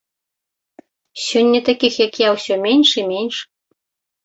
Сёння такіх, як я, усё менш і менш.